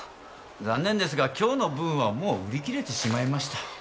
残念ですが今日の分はもう売り切れてしまいました。